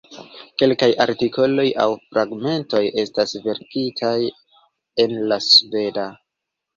Kelkaj artikoloj aŭ fragmentoj estas verkitaj en la Sveda.